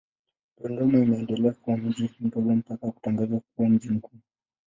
Dodoma imeendelea kuwa mji mdogo mpaka kutangazwa kuwa mji mkuu.